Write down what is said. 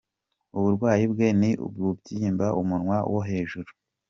Uburwayi bwe ni ukubyimba umunwa wo hejuru.